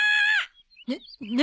な何？